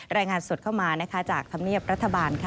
รายงานสดเข้ามาจากธรรมเนียบรัฐบาลค่ะ